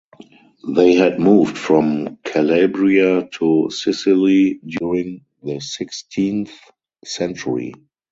They had moved from Calabria to Sicily during the sixteenth century.